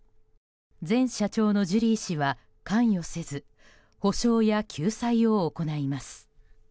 前社長のジュリー氏は関与せず補償や救済を行います。